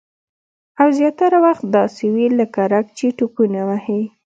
او زیاتره وخت داسې وي لکه رګ چې ټوپونه وهي